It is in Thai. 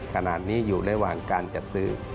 ขณะนี้อยู่ระหว่างการจัดซื้อ